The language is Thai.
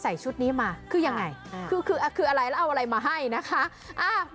ชุดนี้มาคือยังไงคือคืออะไรแล้วเอาอะไรมาให้นะคะ